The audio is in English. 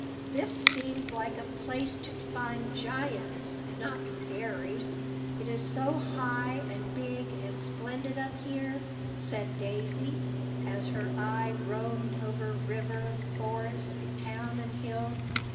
"This seems like a place to find giants, not fairies, it is so high and big and splendid up here," said Daisy, as her eye roamed over river, forest, town, and hill.